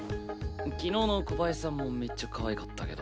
昨日の小林さんもめっちゃかわいかったけど。